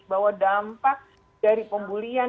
bahwa dampak dari pembulian